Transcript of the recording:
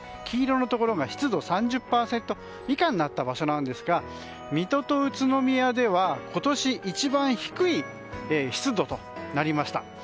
黄色のところが湿度３０％以下になった場所なんですが水戸と宇都宮では今年一番低い湿度となりました。